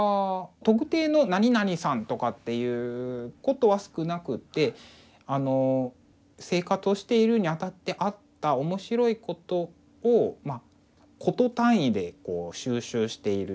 特定の「何々さん」とかっていうことは少なくって生活をしているにあたってあった面白いことを「コト単位」で収集している。